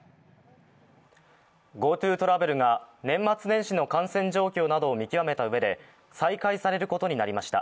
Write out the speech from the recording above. ＧｏＴｏトラベルが年末年始の感染状況などを見極めたうえで再開されることになりました。